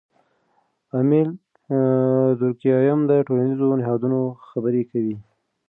امیل دورکهایم د ټولنیزو نهادونو خبره کوي.